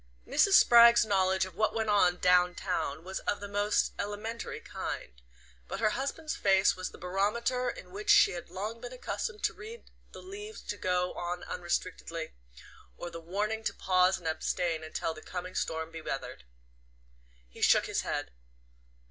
Mrs. Spragg's knowledge of what went on "down town" was of the most elementary kind, but her husband's face was the barometer in which she had long been accustomed to read the leave to go on unrestrictedly, or the warning to pause and abstain till the coming storm should be weathered. He shook his head.